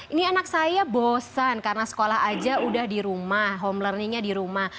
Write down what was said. ini anak saya bosan karena sekolah aja udah di rumah home learningnya di rumah